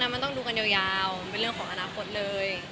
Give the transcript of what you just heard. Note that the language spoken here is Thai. อ๋ออันนั้นมันต้องดูกันยาวเป็นเรื่องของอนาคตเลย